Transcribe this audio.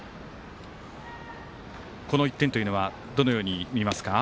この１点というのはどのように見ますか？